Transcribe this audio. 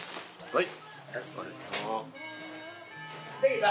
はい。